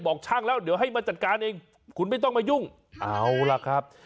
ช่างแล้วเดี๋ยวให้มาจัดการเองคุณไม่ต้องมายุ่งเอาล่ะครับ